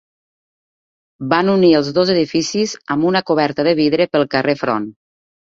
Van unir els dos edificis amb una coberta de vidre pel carrer Front.